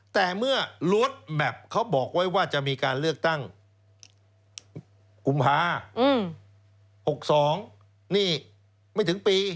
แต่เมื่อลดแมพเขาบอกไว้ว่าจะมีการเลือกตั้งกุมภา๖๒นี่ไม่ถึงปี